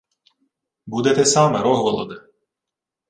— Буде те саме, Рогволоде.